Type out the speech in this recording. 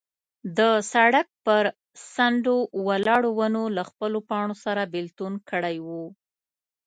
د سړک پر څنډو ولاړو ونو له خپلو پاڼو سره بېلتون کړی و.